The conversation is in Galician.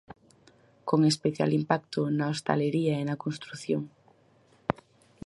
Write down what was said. Con especial impacto na hostalería e na construción.